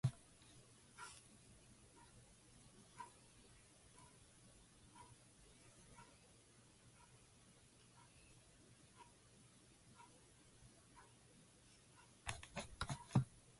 It was later named after Epimetheus from Greek mythology.